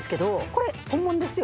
これ本物ですよ。